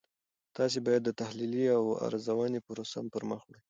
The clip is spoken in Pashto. تاسې باید د تحلیلي او ارزونې پروسه پرمخ وړئ.